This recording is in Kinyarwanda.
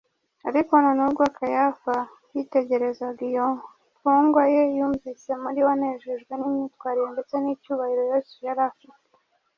ariko noneho ubwo kayafa yitegerezaga iyo mfungwa ye, yumvise muri we anejejwe n’imyitwarire ndetse n’icyubahiro yesu yari afite